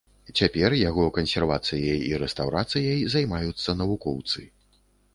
Цяпер яго кансервацыяй і рэстаўрацыяй займаюцца навукоўцы.